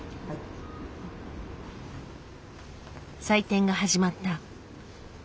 採点が始まった。